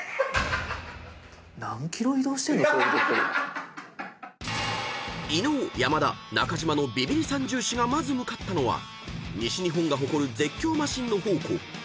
何ｋｍ移動してんの⁉［伊野尾山田中島のビビリ三銃士がまず向かったのは西日本が誇る絶叫マシンの宝庫］